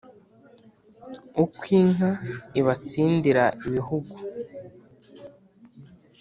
uko inka ibatsindira ibihugu